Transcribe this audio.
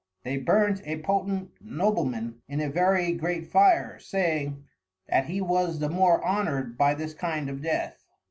They burnt a Potent Nobleman in a very great Fire, saying, That he was the more Honour'd by this kind of Death.